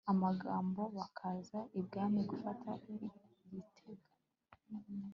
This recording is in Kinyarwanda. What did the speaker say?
abambogo bakaza ibwami gufata igitenga